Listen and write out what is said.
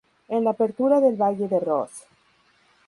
En la apertura del Valle de Ross.